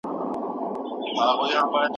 علم په پښتو د جهل په وړاندې جګړه کوي.